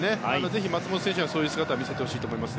ぜひ松元選手にはそういう姿を見せてほしいです。